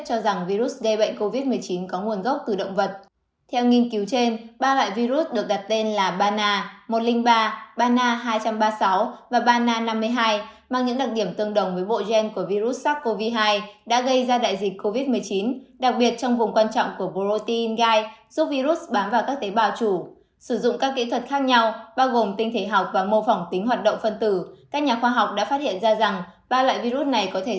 các bạn hãy đăng ký kênh để ủng hộ kênh của chúng mình nhé